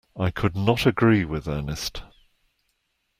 I could not agree with Ernest.